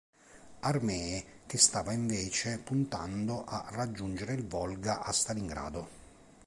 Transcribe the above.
Armee che stava invece puntando a raggiungere il Volga a Stalingrado.